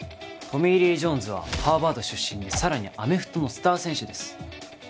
トミー・リー・ジョーンズはハーバード出身でさらにアメフトのスター選手です。